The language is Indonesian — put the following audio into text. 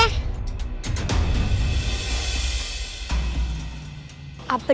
apa di rumah